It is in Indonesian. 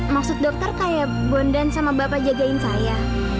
maksud dokter kayak bondan sama bapak jagain saya